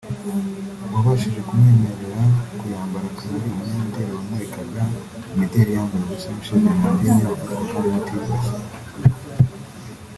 uwabashije kumwemerera kuyambara akaba ari umunyamideli wamurikaga imideli yambaye ubusa Michelle Bernardine wafatwaga nk’utiyubashye